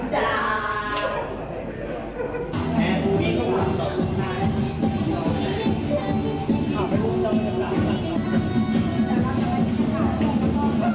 สุดท้ายก็ไม่มีเวลาที่จะรักกับที่อยู่ในภูมิหน้า